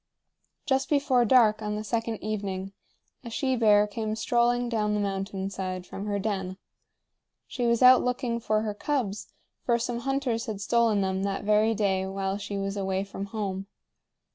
Just before dark on the second evening, a she bear came strolling down the mountain side from her den. She was out looking for her cubs, for some hunters had stolen them that very day while she was away from home.